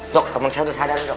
dok teman saya udah sadar nggak